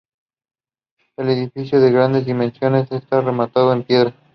El edificio, de grandes dimensiones, está rematado en piedra.